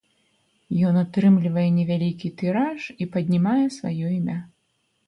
Ён атрымлівае невялікі тыраж і паднімае сваё імя.